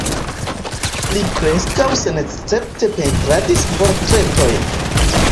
Li preskaŭ senescepte pentradis portretojn.